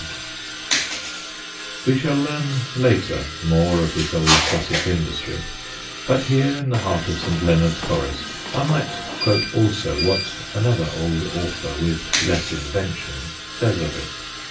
[Sidenote: GREAT GUNS] We shall learn later more of this old Sussex industry, but here, in the heart of St. Leonard's Forest, I might quote also what another old author, with less invention, says of it.